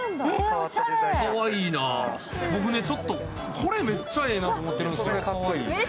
僕ね、これめっちゃいいなと思ってるんですよ。